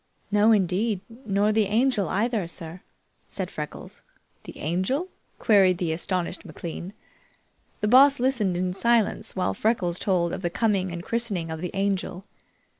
"No, indeed; nor the Angel, either, sir," said Freckles. "The Angel?" queried the astonished McLean. The Boss listened in silence while Freckles told of the coming and christening of the Angel.